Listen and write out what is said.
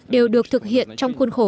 đều được thực hiện trong khuôn khổ